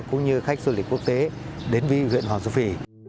cũng như khách du lịch quốc tế đến với huyện hoàng su phi